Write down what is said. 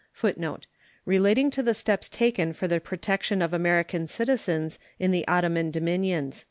GRANT. [Footnote 106: Relating to the steps taken for the protection of American citizens in the Ottoman dominions.